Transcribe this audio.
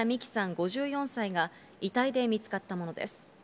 ５４歳が遺体で見つかったものです。